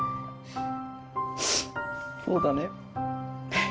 そうだね。